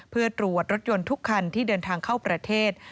เพื่อตรวจรถยนต์ทุกคันที่เดินทางเข้าประเทศ